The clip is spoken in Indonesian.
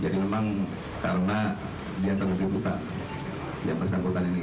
jadi memang karena dia terlupi kota yang bersangkutan ini